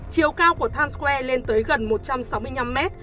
chiều cao của times square lên tới gần một trăm sáu mươi năm mét